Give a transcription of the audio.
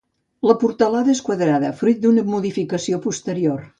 La portalada és quadrada fruit d'una modificació posterior.